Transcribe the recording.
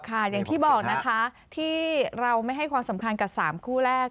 อย่างที่บอกนะคะที่เราไม่ให้ความสำคัญกับ๓คู่แรก